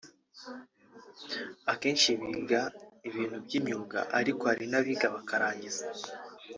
akenshi biga ibintu by’imyuga ariko hari n’abiga bakarangiza